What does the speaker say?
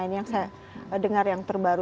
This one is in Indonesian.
ini yang saya dengar yang terbaru